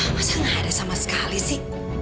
masa nggak ada sama sekali sih